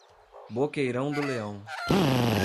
Boqueirão do Leão